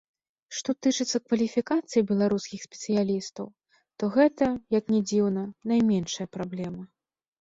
Што тычыцца кваліфікацыі беларускіх спецыялістаў, то гэта, як ні дзіўна, найменшая праблема.